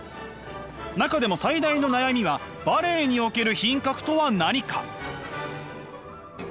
中でも最大の悩みはバレエにおける品格とは何か？